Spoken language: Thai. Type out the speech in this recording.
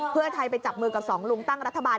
เพื่อไทยไปจับมือกับสองลุงตั้งรัฐบาล